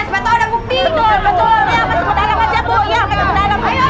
sampai tau ada bukidon